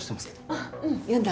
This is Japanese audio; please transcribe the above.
あっうん読んだ。